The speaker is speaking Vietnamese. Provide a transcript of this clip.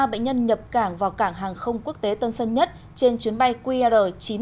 bệnh nhân nhập cảng vào cảng hàng không quốc tế tân sân nhất trên chuyến bay qr chín trăm bảy mươi